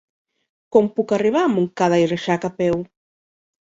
Com puc arribar a Montcada i Reixac a peu?